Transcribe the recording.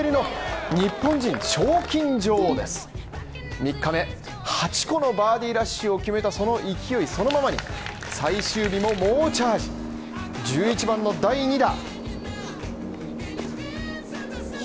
３日目、８個のバーディーラッシュを決めたその勢いそのままに、最終日も猛チャージ１１番の第２打。